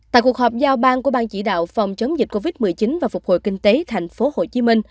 tại cuộc họp giao bang của bang chỉ đạo phòng chống dịch covid một mươi chín và phục hồi kinh tế tp hcm